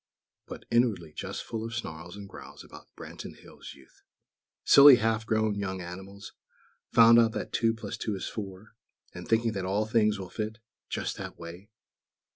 but, inwardly just full of snarls and growls about Branton Hills' Youth. "Silly half grown young animals, found out that two plus two is four, and thinking that all things will fit, just that way!"